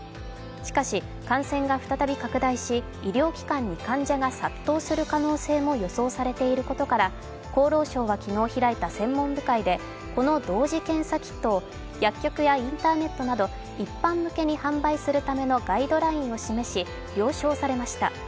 しかし、感染が再び拡大し医療機関に患者が殺到する可能性も予想されていることから厚労省は開いた昨日の専門部会でこの同時検査キットを薬局やインターネットなど一般向けに販売するためのガイドラインを示し了承されました。